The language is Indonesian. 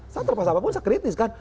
saya terlepas apapun saya kritis kan